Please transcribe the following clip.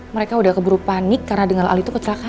mereka udah keburu panik karena dengar al itu kecelakaan